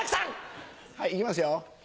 いきますよ。